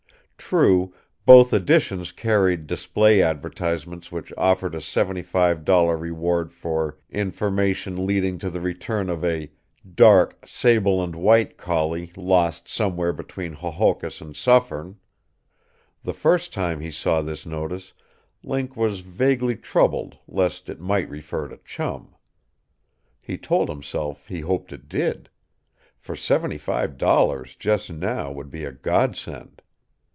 True, both editions carried display advertisements which offered a seventy five dollar reward for information leading to the return of a "dark sable and white collie lost somewhere between Hohokus and Suffern." The first time he saw this notice Link was vaguely troubled lest it might refer to Chum. He told himself he hoped it did. For seventy five dollars just now would be a godsend.